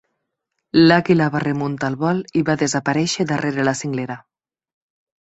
L'àguila va remuntar el vol i va desaparèixer darrere la cinglera.